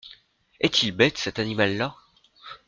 Est-il bête, cet animal-là !…